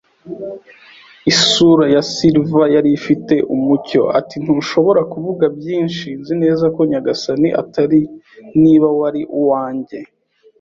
Isura ya silver yari ifite umucyo. Ati: "Ntushobora kuvuga byinshi, nzi neza ko nyagasani, atari niba wari uwanjye